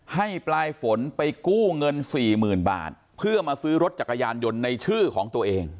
ให้ปลายฝนไปกู้เงินสี่หมื่นบาทเพื่อมาซื้อรถจักรยานยนต์ในชื่อของตัวเอง